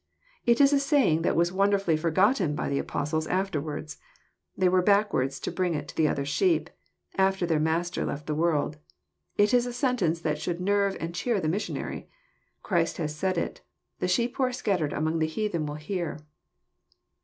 *'— It is a saying that was wonderfully forgotten by the Apostles afterwards. They were backward to bring in the other sheep, after their Master left the world. — It is a sentence that should nerve and cheer the missionary. Christ has said it: "The sheep who are scattered among the heathen will hear."